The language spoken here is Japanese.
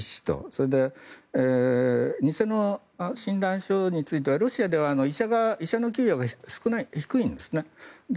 それで、偽の診断書についてはロシアでは医者の給料が低いんですね。